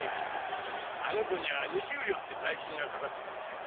あの子には二十両という大金がかかってるんですぜ。